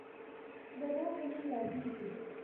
د روه په نوم یادیږي.